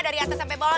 dari atas sampe bawah